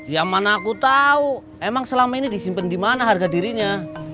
ya mana aku tau emang selama ini disimpen dimana harga dirinya